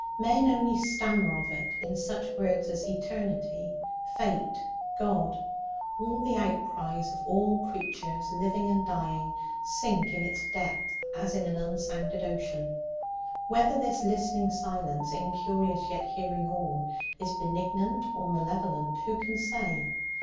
Men only stammer of it in such words as Eternity, Fate, God. All the outcries of all creatures, living and dying, sink in its depth as in an unsounded ocean. Whether this listening silence, incurious, yet hearing all, is benignant or malevolent, who can say?